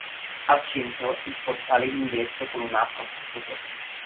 Al centro, il portale d'ingresso con un arco a tutto sesto.